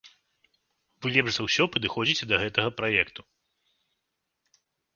Вы лепш за ўсё падыходзіце для гэтага праекту.